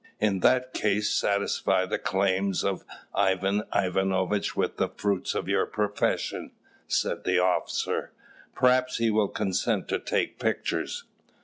"In that case, satisfy the claims of Ivan Ivanovitch with the fruits of your profession," said the officer: "perhaps he will consent to take pictures."